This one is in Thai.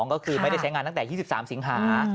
ก็คือไม่ได้ใช้งานตั้งแต่๒๓สิงหา